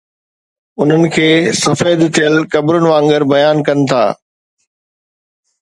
انهن کي سفيد ٿيل قبرن وانگر بيان ڪن ٿا.